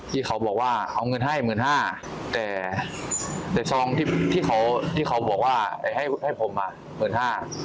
ที่เขาบอกว่าเอาเงินให้๑๕๐๐๐บาทแต่ซองที่เขาบอกว่าให้ผม๑๕๐๐๐บาท